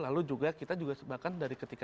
lalu juga kita juga sebakan dari ketika